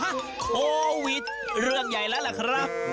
โควิดเรื่องใหญ่แล้วล่ะครับ